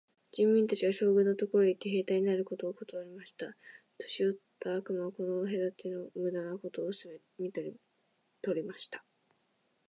人民たちは、将軍のところへ行って、兵隊になることをことわりました。年よった悪魔はこの企ての駄目なことを見て取りました。